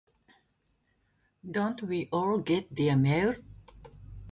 Don't we all get their mail?